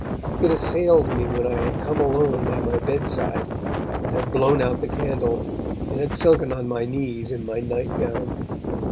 It assailed me when I had come alone by my bedside, and had blown out the candle, and had sunken on my knees in my night gown.